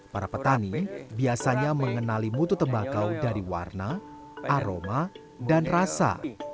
para petani biasanya mengenali mutu tembakau dari warna aroma dan rasa